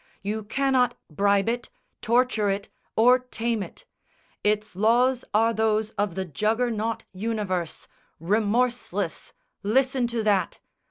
You cannot bribe it, torture it, or tame it! Its laws are those of the Juggernaut universe, Remorseless listen to that!"